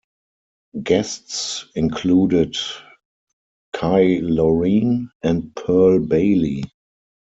Guests included Kay Lorene and Pearl Bailey.